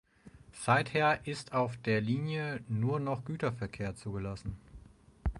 Seither ist auf der Linie nur noch Güterverkehr zugelassen.